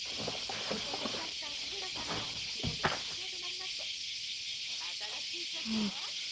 お天気キャスター黒田さんも昨日で卒業となりまして新しいキャスターは？